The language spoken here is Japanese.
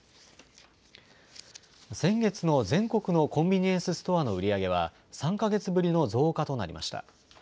先月の全国のコンビニエンスストアの売り上げは、３か月ぶりの増加となりました。